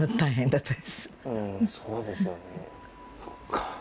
そっか。